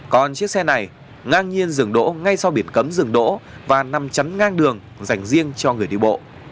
còn chiếc xe này ngang nhiên dừng đỗ ngay sau biển cấm rừng đỗ và nằm chắn ngang đường dành riêng cho người đi bộ